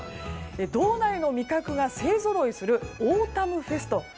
道内の味覚が勢ぞろいするオータムフェスト。